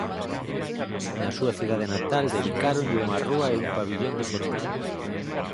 Na súa cidade natal dedicáronlle unha rúa e un pavillón deportivo.